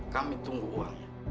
kami tunggu uangnya